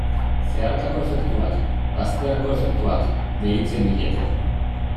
Zeharkako efektuak, bazterreko efektuak, deitzen diete.